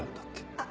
あっ！